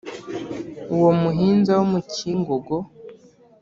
uwo muhinza wo mu cyingogo